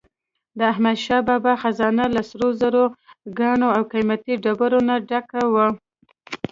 د احمدشاه بابا خزانه له سروزرو، ګاڼو او قیمتي ډبرو نه ډکه وه.